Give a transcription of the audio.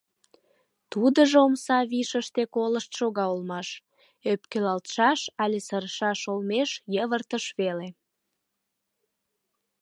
Тудыжо омса вишыште колышт шога улмаш, ӧпкелалтшаш але сырышаш олмеш йывыртыш веле.